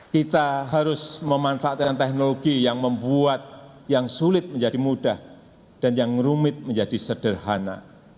kita harus memanfaatkan teknologi yang membuat yang sulit menjadi mudah dan yang rumit menjadi sederhana